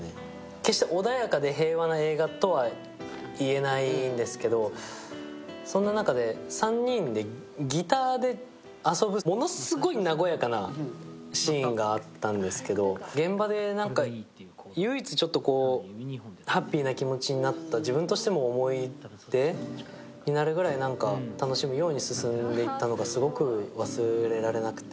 決して、穏やかで平和な映画とは言えないんですけど、そんな中で３人でギターで遊ぶものすごい和やかなシーンがあったんですけど現場で唯一、ハッピーな気持ちになった自分としても思い出になるぐらい楽しむように進んでいったのがすごく忘れられなくて。